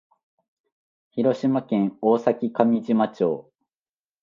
広島県大崎上島町